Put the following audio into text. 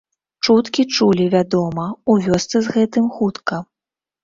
Чуткі чулі вядома, у вёсцы з гэтым хутка.